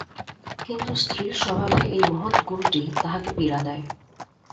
কিন্তু, স্ত্রীর স্বভাবে এই মহৎ গুণটি তাহাকে পীড়া দেয়।